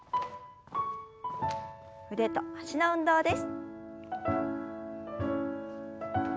腕と脚の運動です。